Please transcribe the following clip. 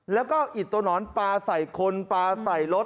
แล้วก็อิดตัวหนอนปลาใส่คนปลาใส่รถ